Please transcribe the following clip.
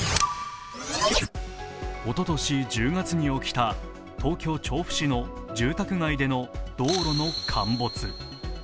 おととし１０月に起きた東京・調布市の住宅街での道路の陥没。